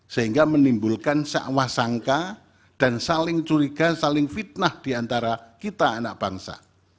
sehingga menimbulkan sakwah sangka dan saling curiga saling fitnah diantara kita anak bangsa